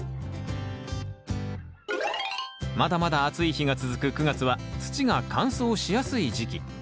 まだまだ暑い日が続く９月は土が乾燥しやすい時期。